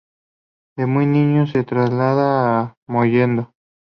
De muy niño se traslada a Mollendo.